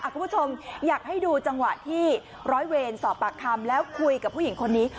คุณผู้ชมอยากให้ดูจังหวะที่ร้อยเวรสอบปากคำแล้วคุยกับผู้หญิงคนนี้